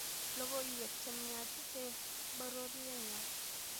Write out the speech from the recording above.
Logoiwech che miach, Eh bororyo